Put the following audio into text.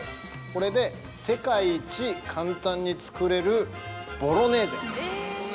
これで世界一簡単に作れるボロネーゼ。